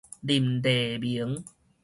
林麗明